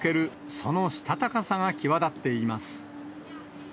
そのしたたかさが際立っています。